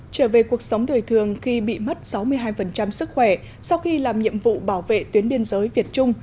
trở về cuộc sống đời thường khi bị mất sáu mươi hai sức khỏe sau khi làm nhiệm vụ bảo vệ tuyến biên giới việt trung